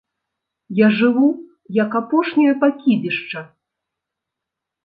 Я жыву як апошняе пакідзішча.